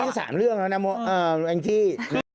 นี่ซะ๓เรื่องแล้วนะแม่งที่